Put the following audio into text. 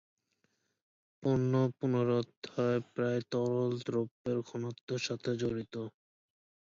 পণ্য পুনরুদ্ধার প্রায়ই তরল দ্রবণের ঘনত্বের সাথে জড়িত।